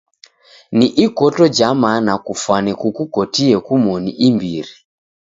Ni ikoto ja mana kufwane kukukotie kumoni imbiri.